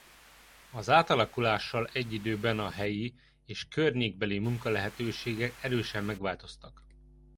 Az átalakulással egyidőben a helyi és környékbeli munkalehetőségek erősen megváltoztak.